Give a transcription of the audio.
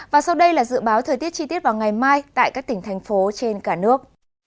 và sau đây là dự báo thời tiết chi tiết vào ngày mai tại các tỉnh thành phố trên cả nước